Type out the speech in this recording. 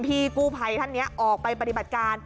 พี่กู้ภัยท่านนี้ออกไปปฏิบัติการ